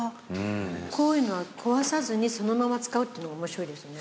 こういうのは壊さずにそのまま使うってのが面白いですね。